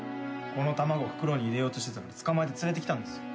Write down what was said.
この卵袋に入れようとしてたから捕まえて連れてきたんです。